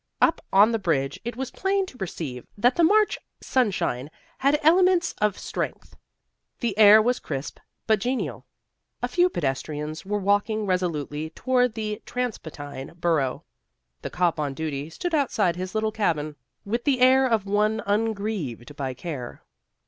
Up on the bridge it was plain to perceive that the March sunshine had elements of strength. The air was crisp but genial. A few pedestrians were walking resolutely toward the transpontine borough; the cop on duty stood outside his little cabin with the air of one ungrieved by care.